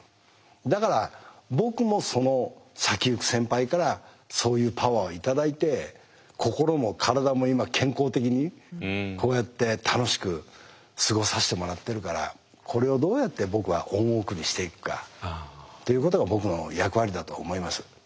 だから僕もその先行く先輩からそういうパワーを頂いて心も体も今健康的にこうやって楽しく過ごさせてもらってるからこれをどうやって僕は恩送りしていくかということが僕の役割だと思います。